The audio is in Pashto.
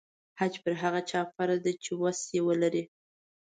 حج پر هغه چا فرض دی چې وسه یې ولري.